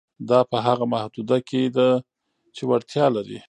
دا په هغه محدوده کې ده چې وړتیا لري.